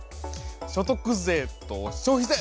所得税と消費税！